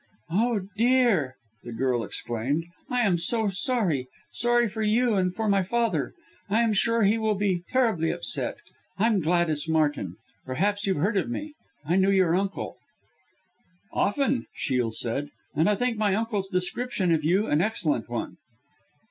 "Oh, dear!" the girl exclaimed, "I am so sorry sorry for you, and for my father. I'm sure he will be terribly upset. I'm Gladys Martin, perhaps you've heard of me I knew your uncle." "Often," Shiel said, "And I think my uncle's description of you an excellent one."